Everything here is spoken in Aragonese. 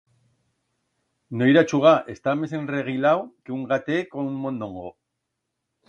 No irá a chugar, está mes enreguilau que un gatet con un mondongo!